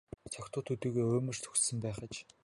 Согтуу төдийгүй уймарч түгшсэн байх аж.